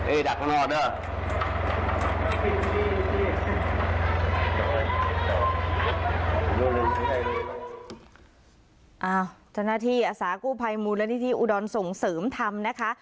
เอ้าจนหน้าที่อศกูภัยมูลนิติอุดรทรงเสริมทำนะคะ